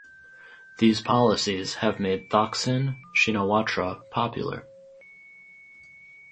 These policies have made Thaksin Shinawatra popular.